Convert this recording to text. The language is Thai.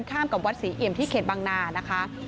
กับวัดศรีเอียมที่เข็ดบังนานะคะ